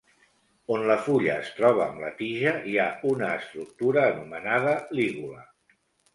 On la fulla es troba amb la tija hi ha una estructura anomenada lígula.